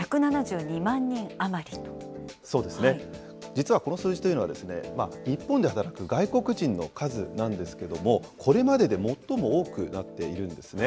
実はこの数字というのは、日本で働く外国人の数なんですけれども、これまでで最も多くなっているんですね。